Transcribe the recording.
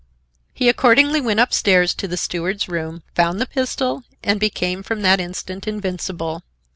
He accordingly went up stairs to the steward's room, found the pistol and became from that instant invincible.